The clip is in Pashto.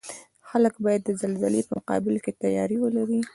خلک باید د زلزلې په مقابل کې تیاری ولري